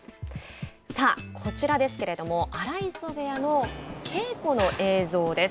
さあ、こちらですけれども荒磯部屋の稽古の映像です。